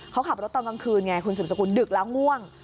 เขาขับรถตอนกลางคืนไงดึกแล้วง่วง